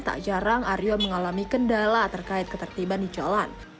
tak jarang aryo mengalami kendala terkait ketertiban di jalan